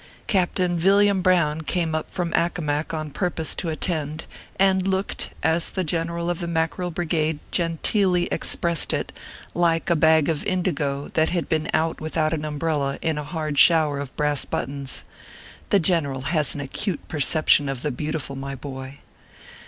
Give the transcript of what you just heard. Captain Villiam Brown came up from Accomac on purpose to attend, and looked, as the General of the Mackerel Brigade genteelly expressed it, like a bag of indigo that had been out without an umbrella in a hard shower of brass buttons. The general has an acute perception of the Beautiful, my boy.